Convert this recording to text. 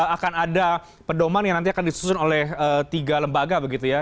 akan ada pedoman yang nanti akan disusun oleh tiga lembaga begitu ya